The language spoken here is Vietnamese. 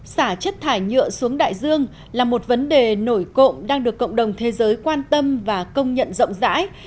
xả chất thải nhựa xuống đại dương là một vấn đề nổi cộng đang được cộng đồng thế giới quan tâm và công nhận rộng rãi